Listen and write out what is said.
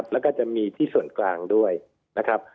แล้วก็จะมีที่ส่วนกลางด้วยนะครับ